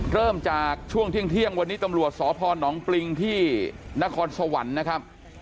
เริ่มจากช่วงเที่ยงวันนี้ตำรวจสพนปริงที่นครสวรรค์นะครับ